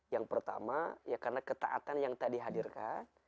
yang pertama ya karena ketaatan yang tadi hadirkan